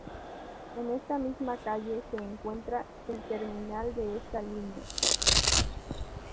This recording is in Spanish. En esta misma calle se encuentra el terminal de esta línea.